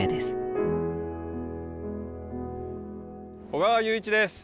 小川雄一です。